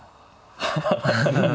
ハハハハ。